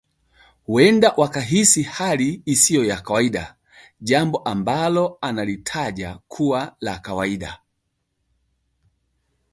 huenda wakahisi hali isiyo ya kaiwada jambo ambalo analitaja kuwa la kawaida